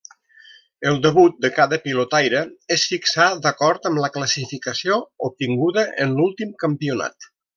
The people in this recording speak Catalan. El debut de cada pilotaire es fixà d'acord amb la classificació obtinguda en l'últim campionat.